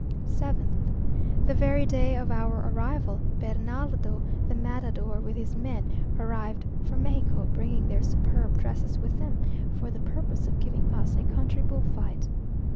7th. The very day of our arrival, Bernardo the Matador, with his men, arrived from Mexico, bringing their superb dresses with them, for the purpose of giving us a country bull fight.